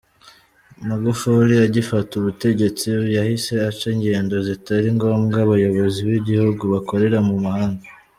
Magufuli agifata ubutegetsi yahise aca ingendo zitari ngombwa abayobozi b’igihugu bakorera mu mahanga.